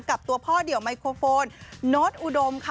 กับตัวพ่อเดี่ยวไมโครโฟนโน้ตอุดมค่ะ